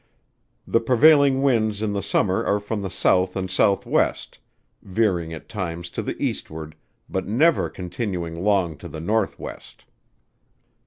The prevailing winds in the summer are from the south and south west, veering at times to the eastward, but never continuing long to the north west.